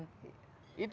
itu tidak ada yang tahu